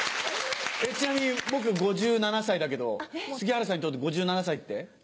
ちなみに僕５７歳だけど杉原さんにとって５７歳って？